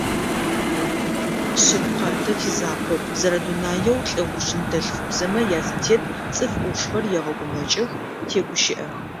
Шъыпкъэ, тэ тизакъоп, зэрэдунаеу лӏэуж ныдэлъфыбзэмэ язытет цӏыф ӏушхэр егъэгумэкӏых, тегущыӏэх.